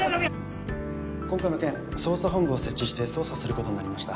今回の件捜査本部を設置して捜査することになりました。